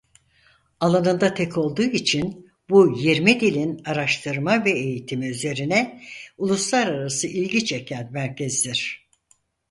Alanında tek olduğu için bu yirmi dilin araştırma ve eğitimi üzerine uluslararası ilgi çeken merkezdir.